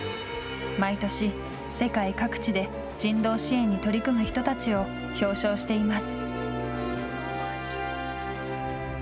毎年、世界各地で人道支援に取り組む人たちを表彰しています。